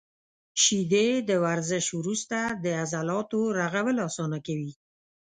• شیدې د ورزش وروسته د عضلاتو رغول اسانه کوي.